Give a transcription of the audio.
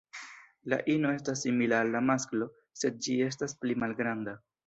La ino estas simila al la masklo, sed ĝi estas pli malgranda.